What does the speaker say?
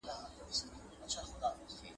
• خورک په خپله خوښه، کالي د بل په خوښه.